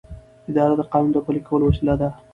اداره د قانون د پلي کولو وسیله ده.